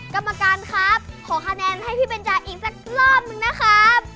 กรรมการครับขอคะแนนให้พี่เบนจาอีกสักรอบนึงนะครับ